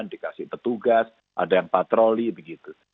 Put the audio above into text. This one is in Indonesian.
dikasih petugas ada yang patroli begitu